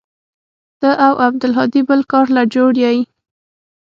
ته او عبدالهادي بل کار له جوړ يې.